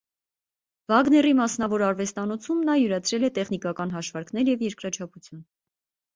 Վագների մասնավոր արվեստանոցում նա յուրացրել է տեխնիկական հաշվարկներ և երկրաչափություն։